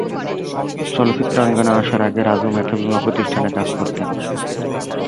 চলচ্চিত্রাঙ্গনে আসার আগে রাজু ম্যাথু বীমা প্রতিষ্ঠানে কাজ করতেন।